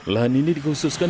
lahan ini dikhususkan